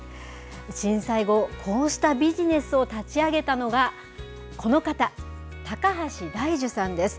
震災後、こうしたビジネスを立ち上げたのが、この方、高橋大就さんです。